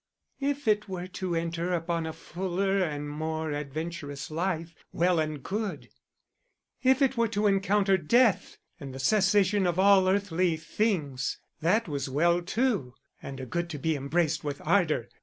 If it were to enter upon a fuller and more adventurous life, well and good; if it were to encounter death and the cessation of all earthly things, that was well too, and a good to be embraced with ardor.